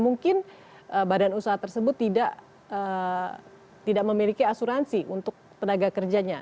mungkin badan usaha tersebut tidak memiliki asuransi untuk tenaga kerjanya